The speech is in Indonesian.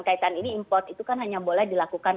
kaitan ini import itu kan hanya boleh dilakukan